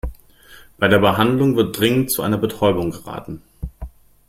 Bei der Behandlung wird dringend zu einer Betäubung geraten.